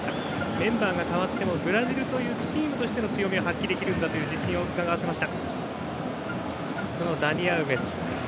メンバーが代わってもブラジルというチームとしての強みを発揮できるという自信をうかがわせました。